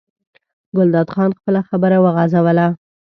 ګلداد خان خپله خبره وغځوله.